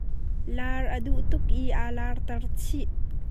Laar a duh tuk i aa lar ter chih.